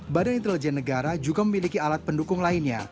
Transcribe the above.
badan intelijen negara juga memiliki alat pendukung lainnya